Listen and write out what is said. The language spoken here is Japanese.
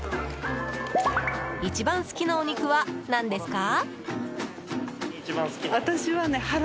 一番好きなお肉は何ですか？